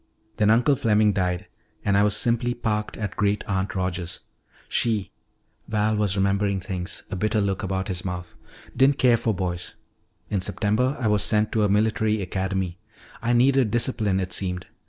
"Then Uncle Fleming died and I was simply parked at Great aunt Rogers'. She" Val was remembering things, a bitter look about his mouth "didn't care for boys. In September I was sent to a military academy. I needed discipline, it seemed.